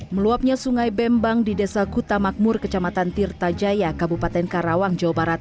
meluapnya sungai bembang di desa kutamakmur kecamatan tirta jaya kabupaten karawang jawa barat